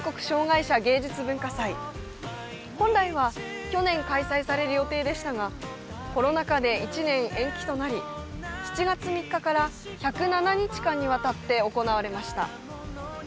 本来は去年開催される予定でしたがコロナ禍で１年延期となり７月３日から１０７日間にわたって行われました。